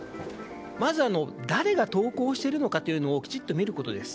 まず誰が投稿しているのかというのをきちんと見ることです。